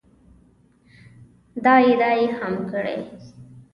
دا ادعا یې هم کړې